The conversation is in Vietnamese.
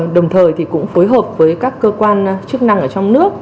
đồng thời thì cũng phối hợp với các cơ quan chức năng ở trong nước